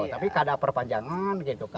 tapi keadaan perpanjangan gitu kan